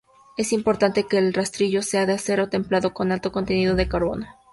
Es importante que el rastrillo sea de acero templado con alto contenido de carbono.